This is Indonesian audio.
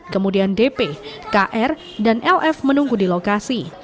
kemudian dp kr dan lf menunggu di lokasi